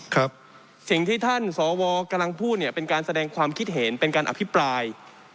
ครับสิ่งที่ท่านสวกำลังพูดเนี่ยเป็นการแสดงความคิดเห็นเป็นการอภิปราย